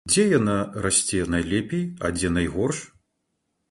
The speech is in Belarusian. Дзе яна расце найлепей, а дзе найгорш?